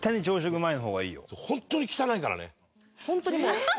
ホントに汚いからね。